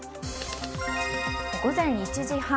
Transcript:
午前１時半。